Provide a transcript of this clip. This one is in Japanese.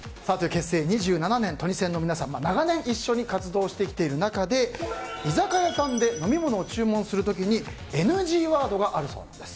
結成２７年のトニセンの皆さん長年一緒に活動してきている中で居酒屋さんで飲み物を注文する時にＮＧワードがあるそうです。